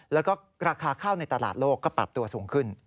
แล้วก็ราคาข้าวในตลาดโลกก็ปรับตัวสูงขึ้น